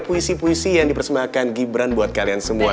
puisi puisi yang dipersembahkan gibran buat kalian semua